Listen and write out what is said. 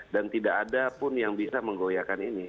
dan tidak ada pun yang bisa menggoyakan ini